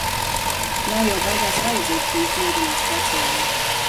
Nav jau baigās vajadzības viņus modināt speciāli.